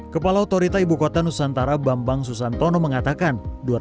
kepala otorita ibu kota nusantara bambang susantono mengatakan